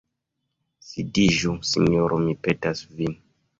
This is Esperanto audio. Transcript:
Sidiĝu, sinjoro, mi petas vin.